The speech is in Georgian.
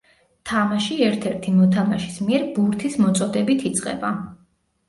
თამაში ერთ-ერთი მოთამაშის მიერ ბურთის მოწოდებით იწყება.